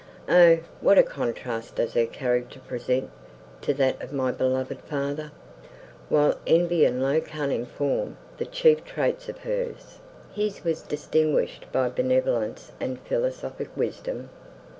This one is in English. O! what a contrast does her character present to that of my beloved father; while envy and low cunning form the chief traits of hers, his was distinguished by benevolence and philosophic wisdom!